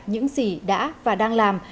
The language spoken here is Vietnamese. những gì đã và đang làm